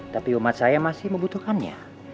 tapi umat saya masih membutuhkannya